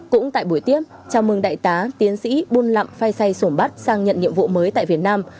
cũng tại buổi tiếp chào mừng đại tá tiến sĩ bun lặng phai say sổn bắt sang nhận nhiệm vụ mới tại việt nam